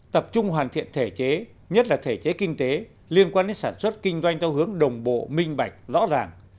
tập trung hoàn thiện thể chế nhất là thể chế kinh tế liên quan đến sản xuất kinh doanh theo hướng đồng bộ minh bạch rõ ràng